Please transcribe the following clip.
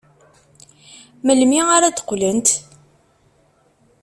Melmi ara d-qqlent?